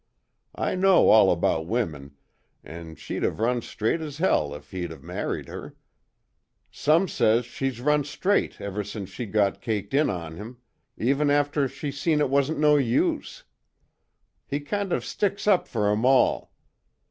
I know all about women, an' she'd of run straight as hell if he'd of married her some says she's run straight ever sense she got caked in on him even after she seen it wasn't no use. He kind of sticks up fer 'em all.